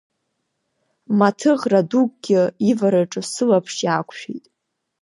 Маҭы ӷра-дукгьы ивараҿы сылаԥш нақәшәеит.